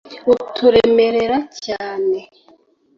uturemerera cyane.